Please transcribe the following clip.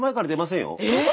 えっ⁉